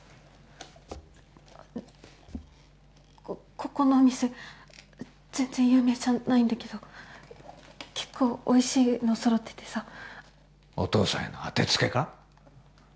ここのお店全然有名じゃないんだけど結構おいしいの揃っててさお父さんへの当てつけか？